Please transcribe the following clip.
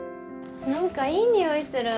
何かいい匂いする。